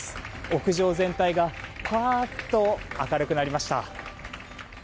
屋上全体がパッと明るくなりました。